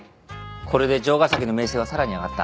これで城ヶ崎の名声はさらに上がった。